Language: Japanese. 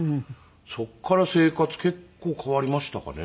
そこから生活結構変わりましたかね。